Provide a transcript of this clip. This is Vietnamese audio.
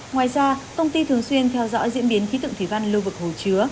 ngoài ra công ty thường xuyên theo dõi diễn biến khí tượng thủy văn lâu vực hồi chứa